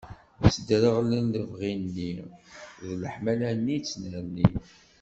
Sdereɣlen lebɣi-nni d leḥmala-nni i yettnernin.